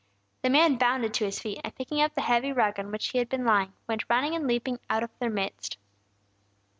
The man bounded to his feet, and picking up the heavy rug on which he had been lying, went running and leaping out of their midst.